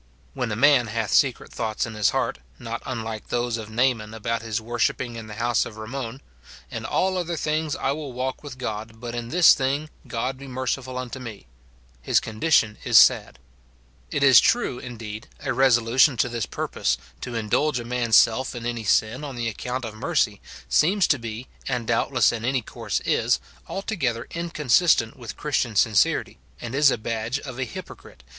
When a man hath secret thoughts in his heart, not unlike those of Naaman about his worshipping in the house of Rimmon,* "In all other things I will walk with God, but in this thing, God be merciful unto me," his condition is sad. It is true, in deed, a resolution to this purpose, to indulge a man's self in any sin on the account of mercy, seems to be, and doubtless in any course is, altogether inconsistent with Christian sincerity, and is a badge of a hypocrite, * 2 Kings V. 18. SIN IN BELIEVERS.